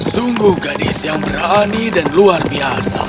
sungguh gadis yang berani dan luar biasa